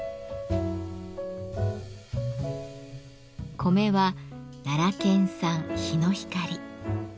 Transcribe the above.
米は奈良県産ヒノヒカリ。